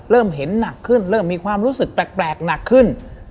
เริ่มเห็นหนักขึ้นเริ่มมีความรู้สึกแปลกหนักขึ้น